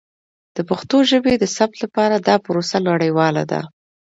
د پښتو ژبې د ثبت لپاره دا پروسه نړیواله ده.